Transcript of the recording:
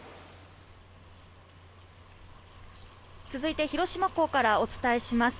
続いて広島港からお伝えします